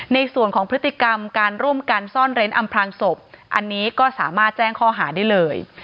ในส่วนของพฤติกรรมการร่วมกันซ่อนเร้นอำพลางศพอันนี้ก็สามารถแจ้งข้อหาได้เลย